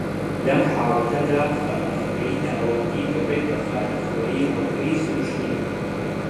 لەم حاڵەتەدا، خانە خوێی ناوەندی دەبێت بە خانی خوێی هەڵگری سروشتی